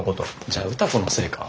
じゃあ歌子のせいか？